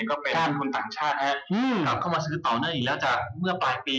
ก็เป็นต่างชาติแหละซื้อต่อเนื่องจากเมื่อปลายปี